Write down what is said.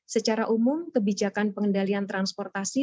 secara umum kebijakan pengendalian transportasi